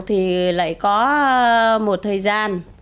thì lại có một thời gian